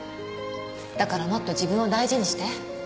だからもっと自分を大事にして。